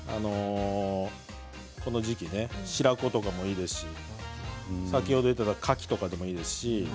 この時期ね白子もいいですし先ほど出ていたかきとかでもいいですし。